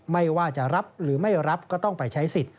ไม่ว่าจะรับหรือไม่รับก็ต้องไปใช้สิทธิ